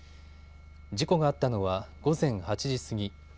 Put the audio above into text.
事故があったのは午前８時過ぎ。